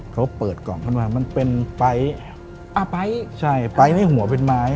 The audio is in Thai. เขาเปิดกล่องขึ้นมามันเป็นไฟล์อ่าไฟล์ใช่ไฟล์ในหัวเป็นไม้